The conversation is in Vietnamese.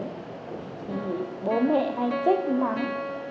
thì bố mẹ hay trách mắng